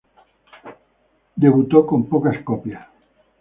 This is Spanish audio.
Debutó con pocas copias.